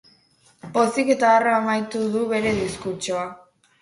Pozik eta harro amaitu du bere diskurtsoa.